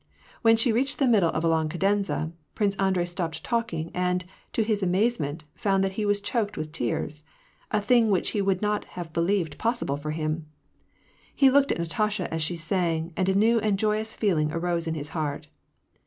When she reached the middle of a long cadenza, Prince Andrei stopped talking, and, to his amazement, found that he was choked with tears; a thing which he would not have believed possible for him. He looked at Natasha as she sang, and a new and joyous feeling arose in his heart.